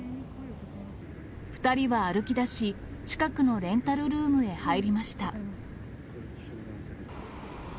２人は歩きだし、近くのレンタルルームへ入りました。